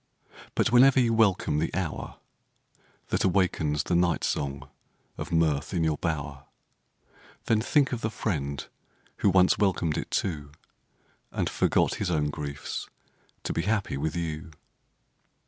— but whenever you welcome the hour That awakens the night song of mirth in your bower, MOORE 34 T Then think of the friend who once welcomed it too, And forgot his own griefs to be happy with you.